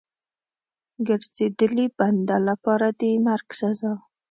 ګرځېدلي بنده لپاره د مرګ سزا.